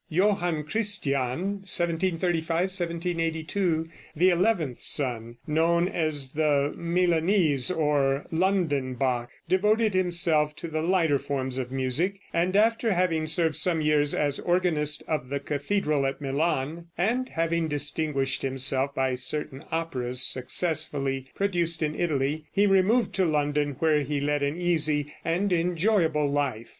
Johann Christian (1735 1782), the eleventh son, known as the Milanese or London Bach, devoted himself to the lighter forms of music, and after having served some years as organist of the cathedral at Milan, and having distinguished himself by certain operas successfully produced in Italy, he removed to London, where he led an easy and enjoyable life.